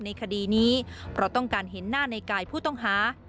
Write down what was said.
ในคดีนี้เพราะต้องการเห็นหน้าในกายผู้ต้องหา